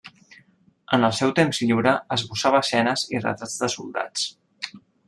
En el seu temps lliure esbossava escenes i retrats de soldats.